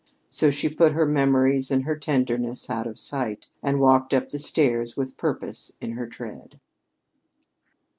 So she put her memories and her tendernesses out of sight and walked up the stairs with purpose in her tread.